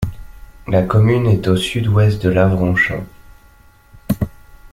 La commune est au sud-ouest de l'Avranchin.